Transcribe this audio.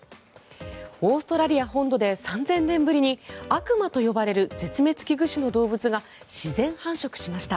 オーストラリア本土で３０００年ぶりに悪魔と呼ばれる絶滅危惧種の動物が自然繁殖しました。